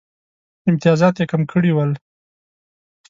امتیازات یې کم کړي ول.